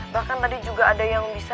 bahkan tadi juga ada yang bisa